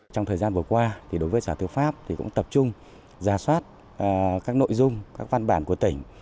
trong thời gian vừa qua đối với sở tư pháp cũng tập trung giả soát các nội dung các văn bản của tỉnh